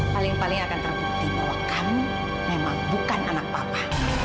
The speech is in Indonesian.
paling paling akan terbukti bahwa kamu memang bukan anak papa